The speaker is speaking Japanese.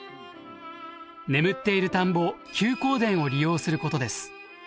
眠っている田んぼ休耕田を利用することです。